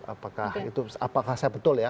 apakah itu apakah saya betul ya